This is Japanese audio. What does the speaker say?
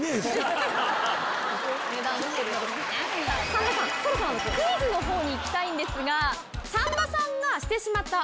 さんまさんそろそろクイズのほうに行きたいんですが。